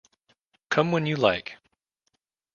Come when you like.